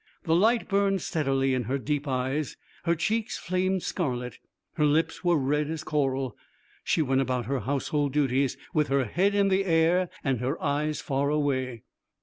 The light burned steadily in her deep eyes, her cheeks flamed scarlet, her lips were red as coral. She went about her household duties with her head in the air and her eyes far away.